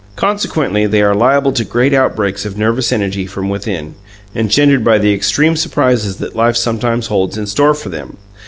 Consequently, they are liable to great outbreaks of nervous energy from within, engendered by the extreme surprises that life sometimes holds in store for them.